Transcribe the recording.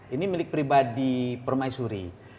ini milik pribadi permaisuri